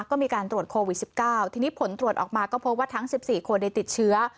ก็มีการตรวจโควิดสิบเก้าทีนี้ผลตรวจออกมาก็พบว่าทั้งสิบสี่คนได้ติดเชื้อ